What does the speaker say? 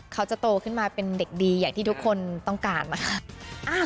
เขาจะโตขึ้นมาเป็นเด็กดีอย่างที่ทุกคนต้องการนะคะ